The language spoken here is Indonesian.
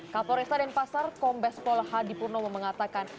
kapol restaden pasar kombes pola hadipurno mengatakan